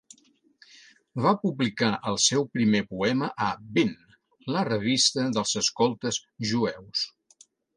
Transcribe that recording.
Va publicar el seu primer poema a "Bin", la revista dels escoltes jueus.